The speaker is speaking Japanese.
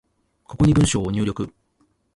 ここに文章を入力